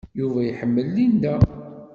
Yuba iḥemmel Linda.